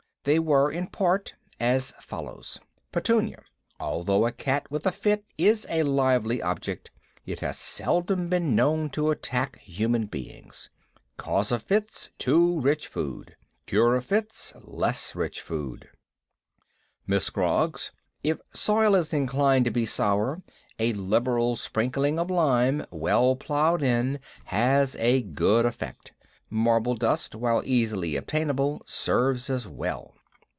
They were, in part, as follows: PETUNIA: Although a cat with a fit is a lively object, it has seldom been known to attack human beings. Cause of fits too rich food. Cure of fits less rich food. MISS SCROGGS: If soil is inclined to be sour, a liberal sprinkling of lime, well ploughed in, has a good effect. Marble dust, where easily obtainable, serves as well.